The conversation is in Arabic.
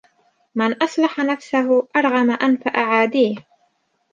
مَنْ أَصْلَحَ نَفْسَهُ أَرْغَمَ أَنْفَ أَعَادِيهِ